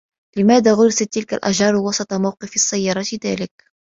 لماذا غُرست تلك الأشجار وسط موقف السّيّارات ذلك؟